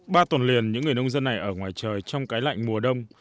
ba tuần liền những người nông dân này ở ngoài trời trong cái lạnh mùa đông